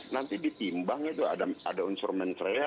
nanti ditimbang itu ada unsur menteri ya